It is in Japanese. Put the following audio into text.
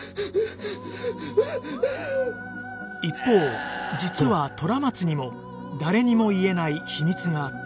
一方実は虎松にも誰にも言えない秘密があった